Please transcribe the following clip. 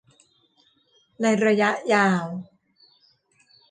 ในระยะยาว